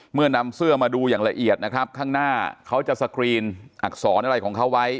นำเสื้อมาดูอย่างละเอียดนะครับข้างหน้าเขาจะสกรีนอักษรอะไรของเขาไว้